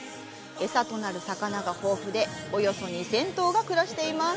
餌となる魚が豊富でおよそ２０００頭が暮らしています。